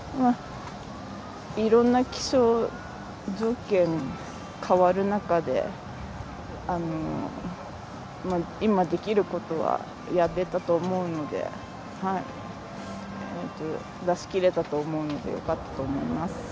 いろんな気象条件が変わる中で今できることはやれたと思うので出しきれたと思うのでよかったと思います。